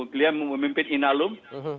dia memimpin inalum